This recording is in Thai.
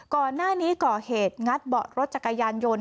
ก่อนหน้านี้ก่อเหตุงัดเบาะรถจักรยานยนต์